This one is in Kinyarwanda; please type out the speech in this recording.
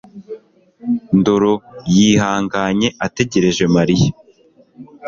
ndoro yihanganye ategereje Mariya